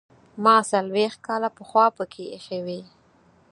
ما څلوېښت کاله پخوا پکې ایښې وې.